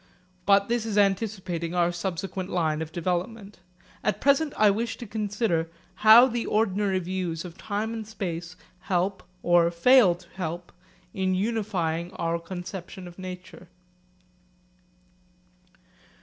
But this is anticipating our subsequent line of development. At present I wish to consider how the ordinary views of time and space help, or fail to help, in unifying our conception of nature.